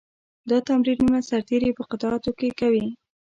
دا تمرینونه سرتېري په قطعاتو کې کوي.